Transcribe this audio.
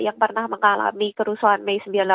yang pernah mengalami kerusuhan may sembilan puluh delapan